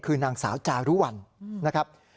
คือนางสาวจารุวัลนะครับ